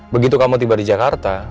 begitu kamu tiba di jakarta